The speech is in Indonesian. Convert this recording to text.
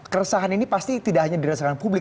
keresahan ini pasti tidak hanya dirasakan publik